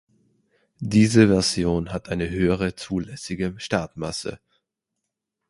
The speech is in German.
Diese Version hat ein höhere zulässige Startmasse.